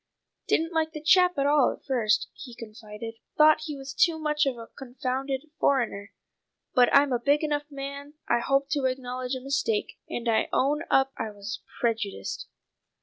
"Didn't like the chap at all at first," he confided. "Thought he was too much of a confounded foreigner; but I'm a big enough man I hope to acknowledge a mistake, and I own up I was prejudiced."